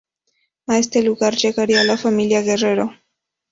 A este lugar llegará la familia Guerrero.